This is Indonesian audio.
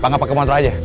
kenapa gak pake motor aja